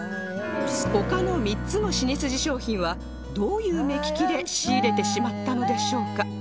他の３つのシニスジ商品はどういう目利きで仕入れてしまったのでしょうか